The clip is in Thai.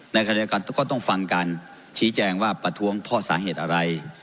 ในขณะเดียวกันก็ต้องฟังการชี้แจงว่าประท้วงเพราะสาเหตุอะไร